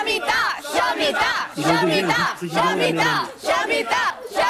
Il en devient le vice-président la même année.